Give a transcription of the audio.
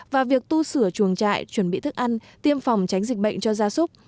nếu sửa chuồng trại chuẩn bị thức ăn tiêm phòng tránh dịch bệnh cho gia súc